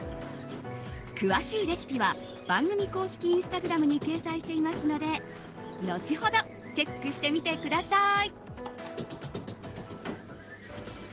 詳しいレシピは番組公式インスタグラムに掲載していますので後ほどチェックしてみてください。